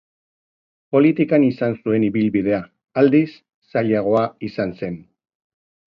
Politikan izan zuen ibilbidea, aldiz, zailagoa izan zen.